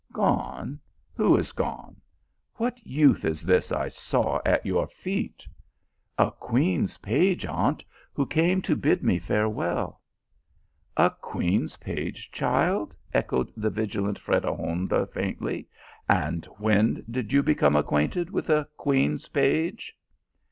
" Gone ! who is gone ! what youth is this I saw at your feet ?" "A queen s page, aunt, who came to bid me fare well." "A queen s page, child," echoed the vigilant Fre degonda faintly, " and when did you become ac quainted with a queen s page?